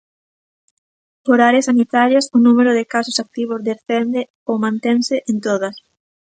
Por áreas sanitarias, o número de casos activos descende ou mantense en todas.